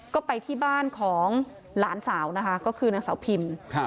ก็ไปที่บ้านของหลานสาวนะคะก็คือนางสาวพิม